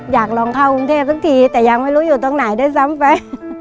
อยากลองเข้ากรุงเทพสักทีแต่ยังไม่รู้อยู่ตรงไหนด้วยซ้ำไป